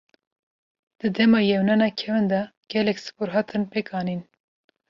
Di dema Yewnana kevin de gelek Spor hatin pêk anîn.